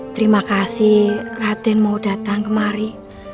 terima kasih raden mau datang kemari